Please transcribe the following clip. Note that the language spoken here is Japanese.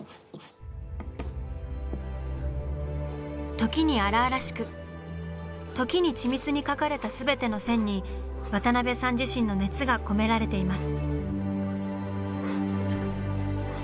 時に荒々しく時に緻密に描かれた全ての線に渡辺さん自身の熱が込められています。